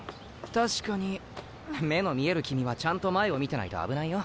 確かに目の見える君はちゃんと前を見てないと危ないよ。